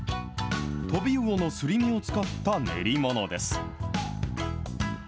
トビウオのすり身を使った練り物です。